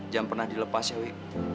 jangan pernah dilepas ya wi